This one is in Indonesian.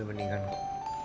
lu buat masa tutup